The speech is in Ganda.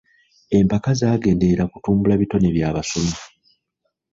Empaka zaagenderera kutumbula bitone by'abasomi.